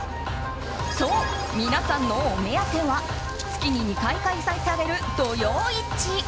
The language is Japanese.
そう、皆さんのお目当ては月に２回開催される土曜市。